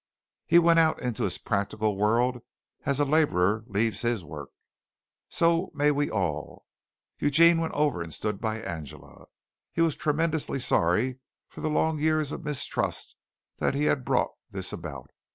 He went out into his practical world as a laborer leaves his work. So may we all. Eugene went over and stood by Angela. He was tremendously sorry for the long years of mistrust that had brought this about.